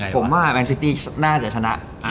ผมว่าแมนซิตี้น่าจะชนะ